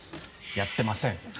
やってません。